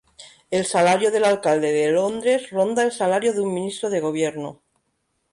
El salario del Alcalde de Londres ronda el salario de un ministro de Gobierno.